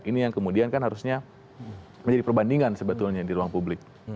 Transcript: ini yang kemudian kan harusnya menjadi perbandingan sebetulnya di ruang publik